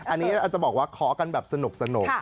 อันนี้อาจจะบอกว่าขอกันแบบสนุก